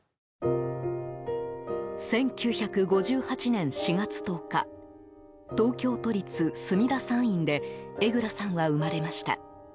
１９５８年４月１０日東京都立墨田産院で江蔵さんは生まれました。